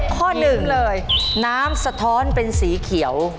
ข้อ๑น้ำสะท้อนเป็นสีเขียว